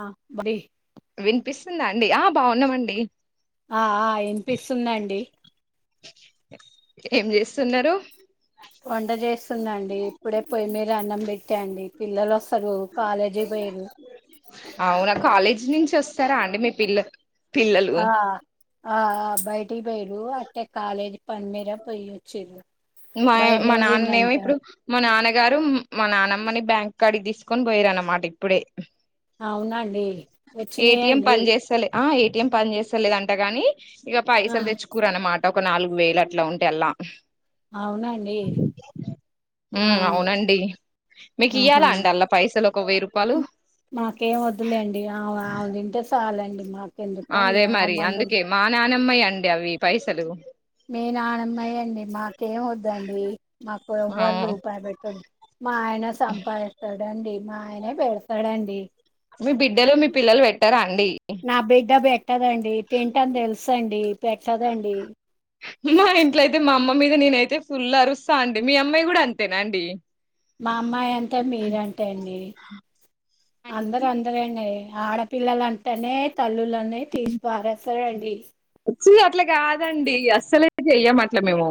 ఆ బర వినిపిస్తుందా అండి ఆ బాగున్నామండి ఆ వినిపిస్తుందండి ఏం చేస్తున్నారు వంట చేస్తుందండి ఇప్పుడే పోయి మీరు అన్నం పెట్టండి పిల్లలు వస్తారు కాలేజీ అయిపోయారు ఎజ్ నుంచి వస్తారా అండి మీ పిల్ల పిల్లలు ఆ ఆ బయట్ టి బేరు అట్టే కాలేజ్ పని మీరా పోయ వచ్చి మా మా నాన్నమో ఇప్పుడు మా నాన్నగారు మా నానమ్మని బ్యాంక్ క్కడిగి తీసుకొని పోయారు అన్నమాట ఇప్పుడే అవునండి వచ్చినాయండి ం పని చేస్తలేదంట గాని ఇక ఆ పైసాలు తెచ్చుకురనట్ ఒక నాలుగు వేలు అట్లా ఉంటే అల్లా అవునండి ఉమ్, అవునండి మీకు ఆహా ఇయ్యాలా అండి అల్లా పైసలు ఒక వెయ్యి రూపాయలు మాకేం వద్దులేండి ఆమె ఆమె తింటే చాలండి ఇ మా అదే మరి అందుకే మా నానమ్మ అండి అవి పైసలు మీ నాన్నమ్మయి అండి మాకేమి వద్దండి మాకు అవును. ఎవ్వరు రూపాయి పెట్టదు మా ఆయన సంపాదిస్తాడండి మా ఆయనే బేడసాడాండి మీ బిడ్డలో మీ పిల్లలు పెట్టారా అండి నాబిడ్డ బె ట్టదండి తింటని తెలుసు అండి పెట్టదండి మా ఇంట్లో అయితే మా అమ్మ మీద నేనైతే ఫుల్ అరుస్తా అండి మీ అమ్మాయి గూడా అంతేనా అండి మా అమ్మాయి అంతే మీరంటే అండి అందరు అందర అండి ఆడపిల్లలంటనే తల్లులని తీసి పారేస్తారండి చి అట్లకాదండి అస్సలే చెయ్యం అట్ల మేము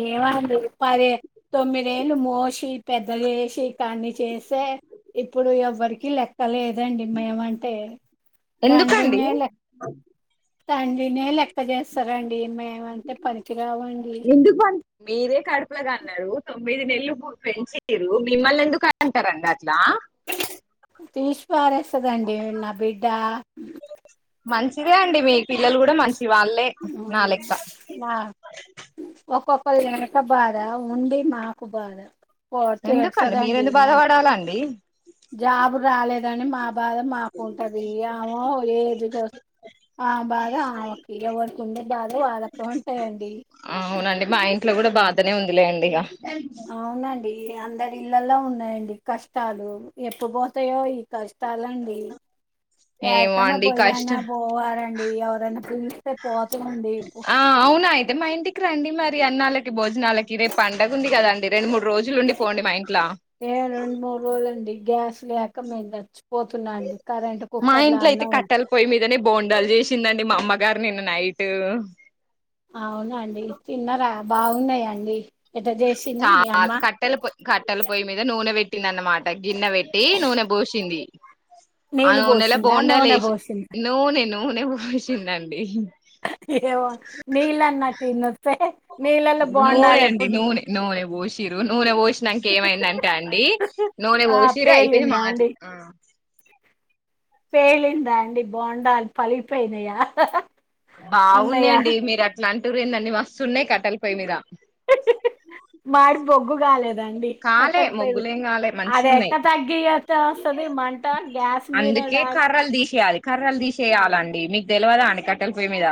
ఏ అందు ప్పదే తొమ్మిదేళ్ళు మోషి పెద్దచేసి కని చేస్తే ఇప్పుడు ఎవ్వరికి లెక్కలేదు అదండి మేమంటే తండ్రీ ఎందుకండి నే తండ్రి నే లెక్క చేస్తారండి మే ఎందుకు వ మీరే కడుపు ల గన్నరు తొమ్మిది నెల్లు పు పెంచిరు మిమ్మల్ని ఎందుకు అంటరండి అట్ల తీసి పారేస్తదండి నా బిడ్డ మంచిదే అండి మీ పిల్లలు కూడా మంచి చివాల్లె నాలేక్క ఒకలు కనక బాధ ఉండి మాకు బాధ ఎందుకండి తిడుతదండి మీరెందు బాధవడాలండి జాబ్ రాలేదని మా బాధ మాకుంటది ఆమె ఏ ఏజ్ కోస్త ఆ బాధ ఆమెకి ఎవరు అవునండి మా ఇంట్లో కూడ బాధనే ఉందిలే అండి ఇగ అవునండి ఈ అందరి ఇళ్లలో ఉన్నాయండి కష్టాలు ఎప్పు పోతాయో ఈ కష్టాలండి ఏమో యాడికన్న అండి పొయ్యన్న కష్టం పోవారండి ఎవరైన పిలిస్తే పోతమండి ఆ అవునా అయితే మా ఇంటికి రండి మరి అన్నాలకి భోజనాలకి రేపు పండగ ఉంది కద అండి రెండు మూడు రోజులు ఉండి పోండి మా ఇంట్ల ఏ రెండు మూడు రోజుల అండి గ్యాస్ లేక మీందచ్చు మా ఇంట్ల అయితే కట్టెల్ పోయ్యి మీదనే బోండాలు చేసిందండి మా అమ్మ గారు నిన్న నైట్ అవునా అండి తిన్నర బాగున్నవా అండి చాలా కట్టెల పొయి కట్టెల పొయ్యి మీద నూనె వె నన్న మాట గిన్నె పెట్టి నూనె బోసింది ఆ నీళ్ళు నూనెల పోసిందా బోండ నూనె లేసి పోసిందా నూనెను నూనె పోసిందండి ఏవో నీలన్నటు వినస్తే నూనె అండి నూనె నూనె పోసి మీరు నూనె పో నామ్ క ఏమైందంటే అండి నూనె ఆ ఓసీర అయిపోయి పేలిందా మాట అండి పేలిందా అండి బోండాలు పలిపోయినాయా బాగున్నాయండి మీరు అట్లాంటి రేందండి మస్తున్నాయి కట్టలిపోయి మీద మాడి బొగ్గు గాాలేదు దండి కాలే కత్తరిపోయిది మొగ్గులేం కాలే అది మంచిగా ఎక్క ఉన్నాయి తగ్గిస్త వస్తుంది మంట గ్యాస్ మీద అందుకే రా కర్రలు తీసేయాలి కర్రలు తీసేయాలండి మీకు తెల్వదా అండి కట్టెల పొయ్యి మీద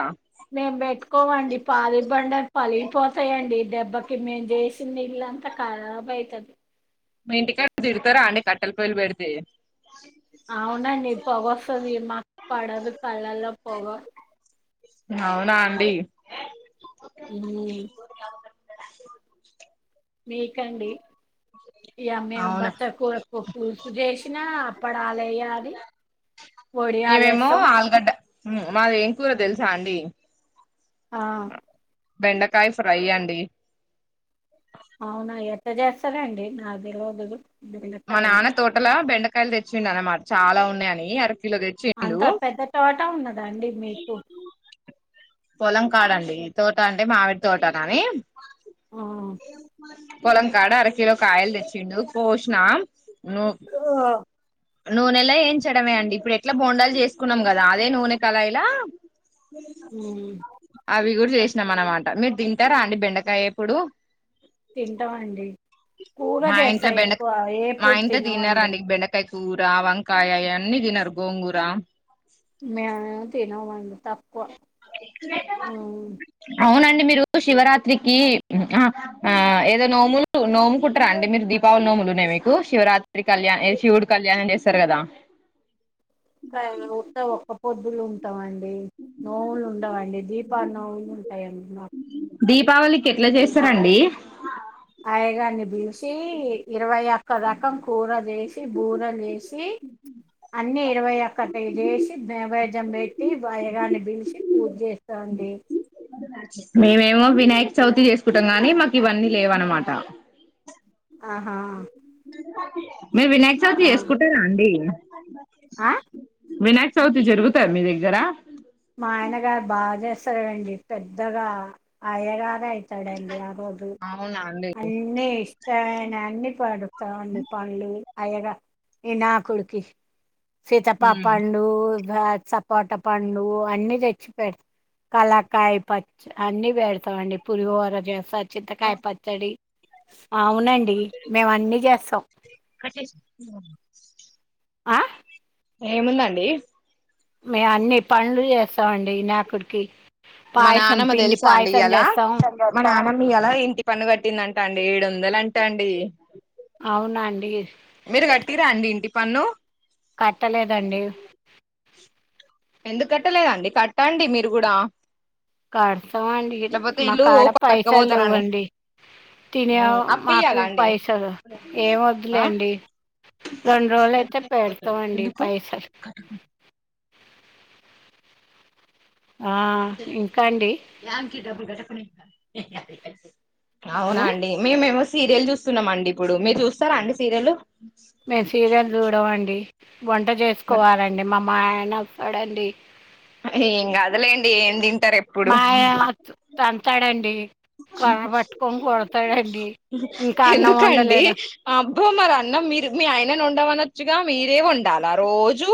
మేం పెట్టుకోవండి పాలిష్ బండలు పలిగిపోతాయండి దెబ్బకి మేం చేసిన ఇల్లంతా ఖరాబ అవుతుంది మీ ఇంటికాడ తిడతారా అండి కట్టెల పొయ్యిలు పెడితే అవునండి పొగొస్తుంది మాకు పడదు కళ్ళల్లో పొగ అవునా అండి మ్ మీకండి ఇ మేము అవునా బత కూర కూపు చేసినా అప్పడాలు వేయాలి వడియాలు మేమేమో ఏస్తాం ఆలుగడ్డ మాది ఏం కూర తెలుసా అండి ఆ బెండకాయ ఫ్రై అండి అవునా ఎట్టా చేస్తారండి నాక్కూడా తెల్వదు మా నాన్న తోటలా బెండకాయలు తెచిండు అన్నమాట చాలా ఉన్నాయని అర కిలో తెచ్చిండు అంత పెద్ద తోట ఉన్నదండి మీకు పొలం కాడంండి తోట అంటే మామిడి తోట కాని ఆ పోలంకాడ అర కిలో కాయలు తెచ్చిండు పో స్నా న ఆ నూనెలా ఏం చెడమే అండి ఇప్పుడు ఎట్లా బోండాలు చేసుకున్నాం కదా అదే నూనె కళయిలా ఉమ్ అవి రు చేసినాం అనమాట మీరు తింటారా అండి బెండకాయ ఇప్పుడు తింటామండి కూర మా ఇంట్లో చేస్తాయి బెండకాయ ఎక్కువ మా ఏప్పుూడు ఇంట్లో తినవండి తినరండి బెండకాయ కూర వంకాయ ఇవన్నీ తిినారు గోంగూర మేము తినమండి తక్కువ ఉమ్ అవున అ మీరు శివరాత్రికి ఏదో నోములు నోము కుట్టారా అండి మీరు దీపావళి నోములు ఉన్నాయి మీకు శివరాత్రి కళ్యాణ దీప శివుడు కళ్యాణ అంట సరే కదా ఉంటే ఒక్కపూట [unintelligible] పొద్దులు ఉంటాం అండి నోవులు ఉండవండి దీపా నోవులు ఉంటాయండి మాకు దీపావళికి ఎట్లా చేస్తారండి ఆయగార్ని పిలిసి ఇరవై ఒక్క రకం కూర చేసి బూర చేసి అన్ని ఇరవై ఒక్క తద వేసి నైవేద్యం పెట్టి అయగర్ని పిలిచి పూజ చేస్తాారు తండి మేమేమో వినాయక్ చవితి చేసుకుంటాం గాని మాకు ఇవన్నీ లేవ అనమాట ఆహా మీరు వినాయక చవితి అవు చేసుకుంటారా అండి అ ఆ వినాయక చౌతి జరుగుతాద మీ దగ్గర మా ఆయన గారు బాగా చేస్తారువండి పెద్దగా అయగా అయితడండి ఆ రోజు అవునా అండి అన్నిీ ఇష్టన అన్ని పడుతామండి పళ్లు అయ్యగా ఇ నా కుడుకి శీతప్ప ఉమ్. పాండు సపోటా పండు అన్ని తెచ్చి పెడతా కళాకాయ పచ్చి అన్ని పెడతామండి పులిహోర చేస్త చింతకాయ ఆ అవునండి మేము అన్నీ చేస్తాం ఆ ఏముందండి మేము అన్ని పనులు చేస్తామండి వినాయకుడికి మా పాయసం నానమ్మ పిండి తెలుసా అండి పాయసం ఇయ్యాల చేస్తాం మన అమమ్మ అలా ఇంటి పను కట్టింద అంటా అండి ఏడు వందల అంటా అండి అవునండి మీరు కట్టీరా అండి ఇంటి పన్ను కట్టలేదండి ఎందుకు కట్టలేదండి కట్టండి మీరు కూడా కడతామండి లేకపోతే మా ఇల్లు కాడ పైసలు పట్టుకపోతారని లేవ్వండి తినే ఉమ్, మాకు అప్పియ్యాలా అండి పైసలు ఏం ఆ వద్లేండి రెండు రోజులు అయితే పెడతామండి ఎందుకు? పైసలు ఆ, ఇంకా అండి ఏకి డబ్బుల్ కట్ట పని అవునా ఉం? అండి మేమేమో సీరియల్ జూస్తున్నం అండి ఇప్పుడు మీరు చూస్తారా అండి సీరియల్లు మేము సీరియల్ చూడమండి వంట చేసుకోవాలండి మా మాయన అడండి ఏం కాదులేండి ఏం తిం ంటరు ఎప్పుడు మా ఆయన తంతాడండి కర్ర పట్టుకొని కొడతాడండి ఇంకా అన్నం ఎందుకండి వండలేదు అబ్బ మరి అన్నం మీరు మీ ఆయన ఒండమన జుగా మీరే ఒండాలా రోజు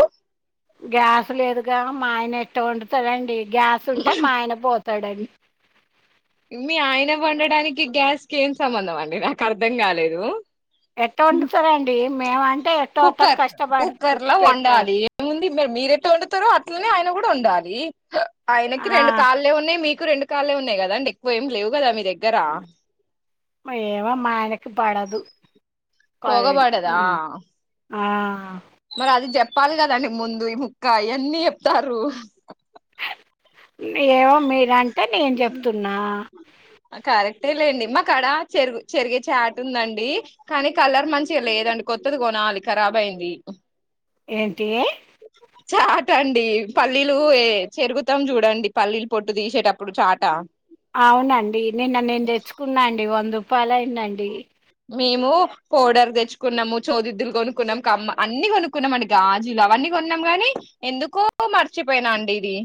గ్యాస్ లేదుగా మా ఆయన ఎట్ట వండుతాడండి గ్యాస్ ఉంటె మా ఆయన పోతాడండ్ మీ ఆయన వండడానికి గ్యాస్ కి ఏం సంబంధం అండి నాకు అర్ధం కాలేదు ఎట్ట ఒండుతడండి మేవన్ కుక్కర్ కుక్కర్ లో పెట్టారు. వండాలి ఎంముంది మీర్ మీరెట్ట వండుతారో అట్లనే ఆయన కూడా ఒండాలి హాహ్ ఆయనకి ఆ! రెండు కాళ్లే ఉన్నాయి మీక్ రెండుకాళ్ళే ఉన్నాయి కదండి ఎక్కువ ఏమి లేవుకదా మీ దగ్ ఇగరా ఏమో మా ఆయనకి పడదు కరెంట్. పోగపడదా హ్మ్. ఆ మరి అది చెప్పాలి కదండి ముందు ఈ ముక్క అన్నీ చెప్తార్రు. ఏవో మీరంటే. నేను చెప్తున్నా. కరెక్టే లెండి. మాకడ చెరుగు చెరిగే చాట ఉందండి కానీ కలర్ మంచిగా లేదండి కొత్తది కొనాలి కరాబ్ ఐంది. ఏంటీ. చాటండి పల్లీలు ఏ చెరుగుతాం చూడండి పల్లీలు పొట్టు దీషేటప్. ప్పుడు చాట. అవునండి నిన్న నేను తెచ్చుకున్నా అండి వందకు. పాలైనండి. మేము పౌడర్ తెచ్చుకున్నాము, చోదిద్దులు కొనుక్కున్నాం కమ్మ అన్ని కొనుక్కున్నాం అండి గాజులు అవన్నీ కొన్నాం గానీ ఎందుకో మర్చిపోయినా అండి ఇది.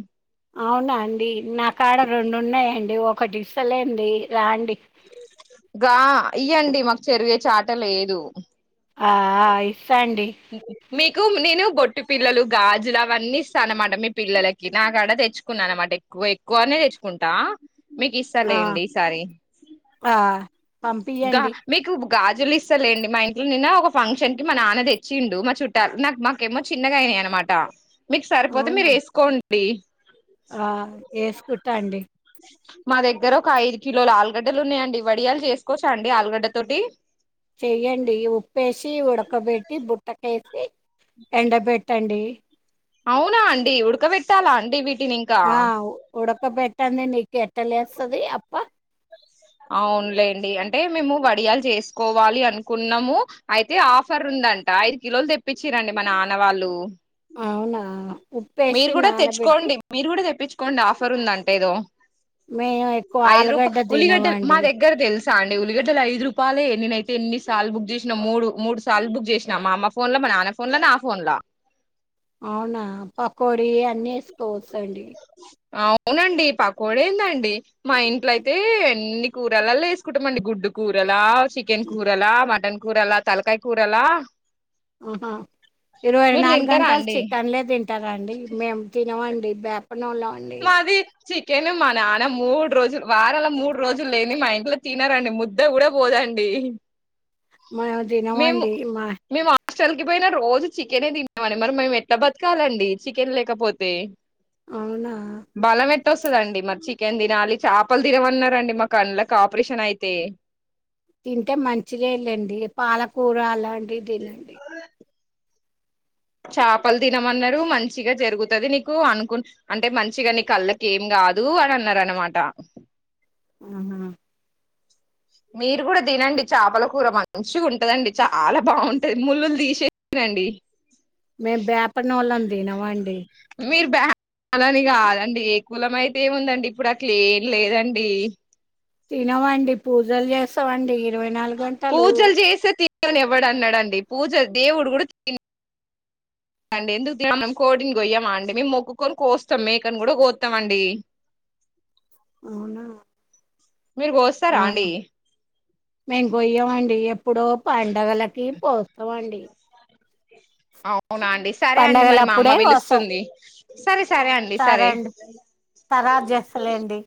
అవునా ఒకటిస్సలెండి. రాండి. గా ఇయ్యండి మాకు చెరిగే చాట లేదు. ఆ ఆ ఇ. మీకు నేను. బొట్టి పిల్లలు, గాజులు అవన్నీ ఇస్తా అన్నమాట మీ పిల్లలకి నా కాడ తెచ్చుకున్నా అన్నమాట ఎక్కువ ఎక్కువనే తెచ్చుకుంటా. మీకు ఆ! ఇస్తలేండి ఈసారి ఆ! గా పంపియండి. మీకు. గాజులు ఇస్తలేండి మా ఇంట్లో నిన్న ఒక ఫంక్షన్ కి మా నాన్న దే. చిండు మా చుట్టాలు నాక్ మాకేమో చిన్నగా అయినాయి అనమాట. మీకు సరిపోతే అవునా మీరు వేసుకోండి ఆ ఏసుకుంటా అండి. మదగ్గర ఒక ఐదు కిలోలు ఆలుగడ్డలు ఉన్నాయండి వడియాలు చేసుకోవచ్చా అండి ఆలుగడ్డ తోటి. చెయ్యండి ఉప్పేసి ఉడకబెట్టి బుట్టకేసి. ఎండ బేట్టండి. అవునా అండి ఉడకబెట్టాలా అండి వీ. ఆ ఉడక బెట్. టంది నీకెట్టాలేస్తాది అప్పా. అవునులేండి అంటే మేము వడియాలు చేసుకోవాలి అనుకున్నాము అయితే ఆఫర్ ఉందంట ఐదు కిలోలు తెప్పించరండి మ నాన్నవాళ్ళు. అవునా మీరు ఉప్పేసి కూడా నానబెట్టి తెచ్చుకోండి మీరు కూడా తెప్పించుకోండి ఆఫ్. తరుందంటేదో. మేము ఎక్కువ ఆలుగడ్డ తినంమ. ఉల్లిగడ్డలు మా దగ్గర తెల్స్. చ అండి ఉల్లిగడ్డలు ఐదు రూపాయలేే నేనయితే ఎన్ని సార్లు బుక్ చేసిన మూడు మూడు సార్లు బుక్ చేసినా మా అమ్మ ఫోన్ లో మా నాన్న ఫోన్ లో నా ఫోన్లా. అవునా పకోడి అన్ని వేసుకోవచ్చండి. అవునండి పకోడ ఏందండి మా ఇంట్లైతే ఎన్ని కూరలలో వేసుకుంటామండి గుడ్డు కూరలా. Chicken కూరలా mutton. కూరలా తలకాయ కూరలా ఆహా ఇరవై మీరు నాలుగు తింటారా గంటలు అండి చికెన్లే తింటారాండి మేము తినమండి బ్యాక్ పనలా అండి మాది చికెన్ మా నాన్న మూడు రోజులు వారాల మూడు రోజులు లేని మా ఇంట్లో తినారండి ముద్ద కూడా పోదండి మేమ్ మేము తినమండి మా మేము హాస్టల్ కి పోయినా రోజు చికెనే తింటామని మరి మేము ఎట్లా బతకాలండి చికెన్ లేకపోతే అవునా బలం ఎట్ట వస్తాదండి మరి చికెన్ తినాలి చేపలు తినమన్నారండి మా కళ్లకి ఆపరేషన్ అయితే తింటే మంచిదేలేండి పాలకూర అలాంటి ఇవి తినండి చేపలు తినమన్నారు మంచిగా జరుగుతుంది నీకు అనుకు అంటే మంచిగా నీ కళ్ళకి ఏం కాదు అని అన్నారు అనమాట ఆహా [inaudible] మీరు కూడా తినండి చేపల కూరమ మంచిగా ఉంటదండి చాలా బాగుంటది ములలు తీసేసి తినండి మేము బేపనోళము తినవాండి భ్య అలా అని కాదండి ఏ కులం అయితే ఏముందండి ఇప్పుడు అట్లే ఏం లేదండి తినవండి పూజలు చేస్తామండి ఇరవై నాలుగు గంటలు దేవుని ఎవ్వడు అన్నాడండి పూజ దేవుడు కూడా త [inaudible] ఎందుకు మనం కోటిని కొయ్యమా అండి మేము మొక్కుకొని కోస్తాం మేకని కూడా కోస్తామండి అవునా మీరు కోస్తారా అండి మేమ్ కోయమండి ఎ ఏప్పుడో పండుగలకి కోస్తవండి అవు అవునా అండి సరే అండి మరి మా అమ్మ పండగలప్పుడే కోస్తాం పిలుస్తుంది సరే సరే అండి సరే తర్వాత చేస్తలేండి